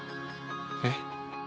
えっ？